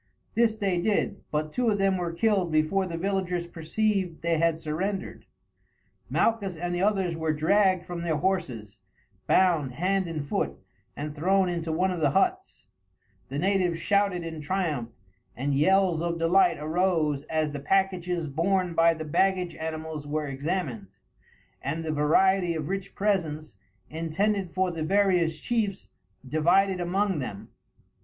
This they did, but two of them were killed before the villagers perceived they had surrendered. Malchus and the others were dragged from their horses, bound hand and foot, and thrown into one of the huts. The natives shouted in triumph, and yells of delight arose as the packages borne by the baggage animals were examined, and the variety of rich presents, intended for the various chiefs, divided among them.